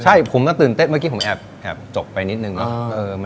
ใช่ผมก็ตื่นเต้นเมื่อกี้ผมแอบแอบจบไปนิดนึงนะ